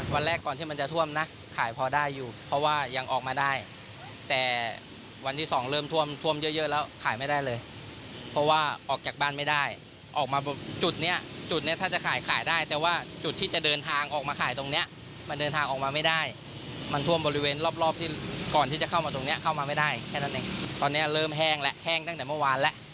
แรกก่อนที่มันจะท่วมนะขายพอได้อยู่เพราะว่ายังออกมาได้แต่วันที่สองเริ่มท่วมท่วมเยอะเยอะแล้วขายไม่ได้เลยเพราะว่าออกจากบ้านไม่ได้ออกมาจุดเนี้ยจุดเนี้ยถ้าจะขายขายได้แต่ว่าจุดที่จะเดินทางออกมาขายตรงเนี้ยมันเดินทางออกมาไม่ได้มันท่วมบริเวณรอบรอบที่ก่อนที่จะเข้ามาตรงเนี้ยเข้ามาไม่ได้แค่นั้นเองตอนนี้เริ่มแห้งแล้วแห้งตั้งแต่เมื่อวานแล้ว